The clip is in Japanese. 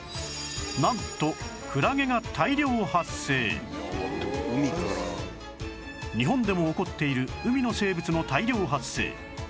なんと日本でも起こっている海の生物の大量発生